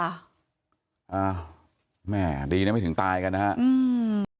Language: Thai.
อ้าวแม่ดีนะไม่ถึงตายกันนะฮะอืม